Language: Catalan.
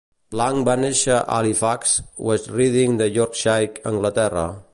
Lang va néixer a Halifax, West Riding de Yorkshire, Anglaterra.